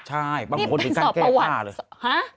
ใช่บางคนถึงขั้นแก้ผ้าเลย